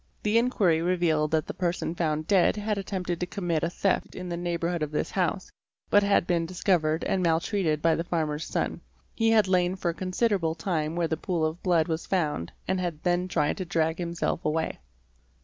The inquiry revealed that the person found dead had attempted to commit a theft in the neighbourhood of this house, but had been discovered and maltreated by the farmer's son ; he had lain for a considerable time where the pool of blood was found and had then tried to drag himself away.